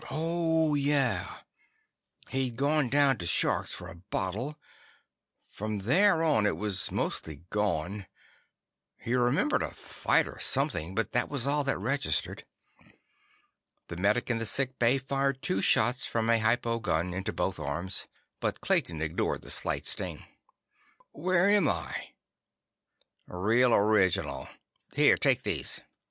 Oh, yeah. He'd gone to the Shark's for a bottle. From there on, it was mostly gone. He remembered a fight or something, but that was all that registered. The medic in the sick bay fired two shots from a hypo gun into both arms, but Clayton ignored the slight sting. "Where am I?" "Real original. Here, take these."